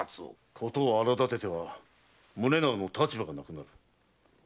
ことを荒だてては宗直の立場がなくなる。